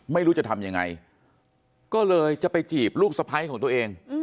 ไม่รู้จะทำยังไงก็เลยจะไปจีบลูกสะพ้ายของตัวเอง